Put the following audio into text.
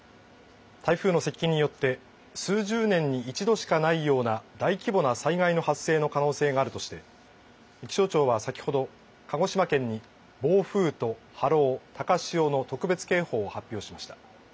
台風の接近によって数十年に一度しかないような大規模な災害の発生の可能性があるとして、気象庁は先ほど鹿児島県に暴風と波浪、高潮の特別警報を発表しました。